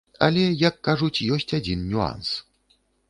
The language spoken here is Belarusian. Але, як кажуць, ёсць адзін нюанс.